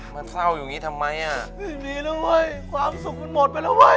มันเศร้าอยู่อย่างนี้ทำไมอ่ะไม่มีแล้วเว้ยความสุขมันหมดไปแล้วเว้ย